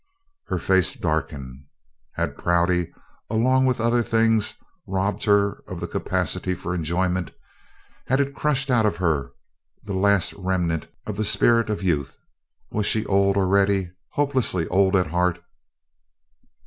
Her face darkened. Had Prouty, along with other things, robbed her of the capacity for enjoyment? Had it crushed out of her the last remnant of the spirit of youth? Was she old, already hopelessly old at heart?